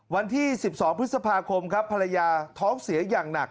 วันที่๑๒พฤษภาคมครับภรรยาท้องเสียอย่างหนัก